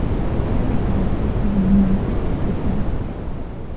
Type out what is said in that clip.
Era de carácter predominantemente objetivo.